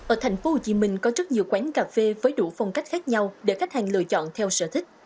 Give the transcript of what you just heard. ở tp hcm có rất nhiều quán cà phê với đủ phong cách khác nhau để khách hàng lựa chọn theo sở thích